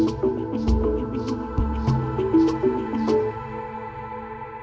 มันอาจจะกลายเป็นของที่มีมนุษย์ค่ามาก